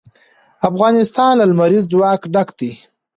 افغانستان له لمریز ځواک ډک دی.